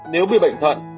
nếu bị bệnh thật